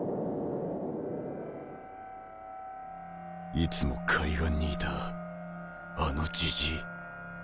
いつも海岸にいたあのジジー。